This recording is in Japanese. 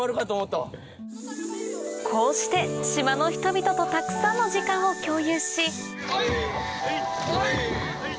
こうして島の人々とたくさんの時間を共有しはい！